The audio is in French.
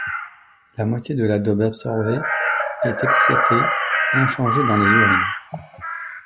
La moitié de la dose absorbée est excrétée inchangée dans les urines.